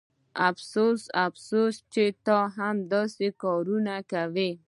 افسوس افسوس چې ته هم داسې کارونه کوې